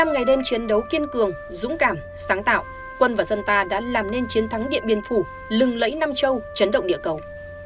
bảy mươi ngày đêm chiến đấu kiên cường dũng cảm sáng tạo quân và dân ta đã làm nên chiến thắng điện biên phủ lừng lẫy nam châu chấn động địa cầu